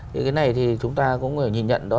thì cái này thì chúng ta cũng có thể nhìn nhận đó